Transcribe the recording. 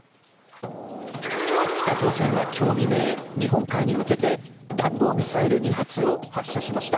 北朝鮮は今日未明日本海に向けて弾道ミサイル２発を発射しました。